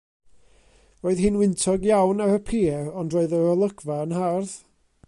Roedd hi'n wyntog iawn ar y pier, ond roedd yr olygfa yn hardd.